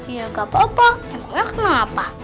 ya gak apa apa pokoknya kenapa